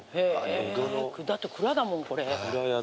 だって蔵だもんこれ。